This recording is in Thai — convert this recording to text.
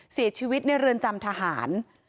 เสียชีวิตในเรือนจำทหาร